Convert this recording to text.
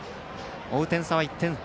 追う点差は１点。